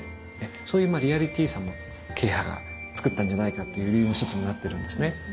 そういうリアリティーさも慶派がつくったんじゃないかっていう理由の一つになってるんですね。